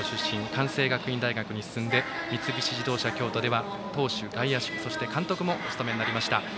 関西学院大学に進んで三菱自動車京都では投手、外野手、監督もお務めになりました。